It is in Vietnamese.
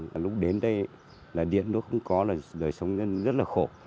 và lúc đến đây là điện nó không có là đời sống rất là khổ